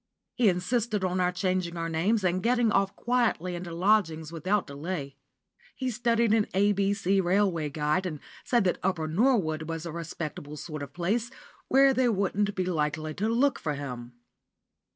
He insisted on our changing our names, and getting off quietly into lodgings without delay. He studied an "A.B.C." Railway Guide, and said that Upper Norwood was a respectable sort of place, where they wouldn't be likely to look for him.